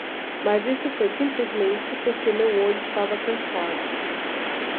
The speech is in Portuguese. Mas isso foi simplesmente porque meu olho estava cansado.